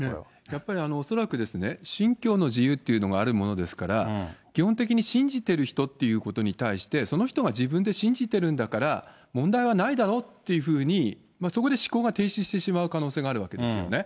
やっぱり恐らく、信教の自由っていうのがあるものですから、基本的に信じてる人ってことに対して、その人が自分で信じてるんだから問題はないだろうっていうふうに、そこで思考が停止してしまう可能性があるわけですよね。